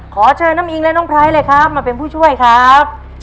ขอเชิญน้ำอิงและน้องไพรเลยครับมาเป็นผู้ช่วยครับ